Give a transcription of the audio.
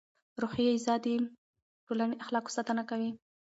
روحي غذا د ټولنې اخلاقو ساتنه کوي.